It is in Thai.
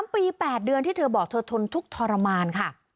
๓ปี๘เดือนที่เธอบอกเธอทนทุกข์ทรมานค่ะ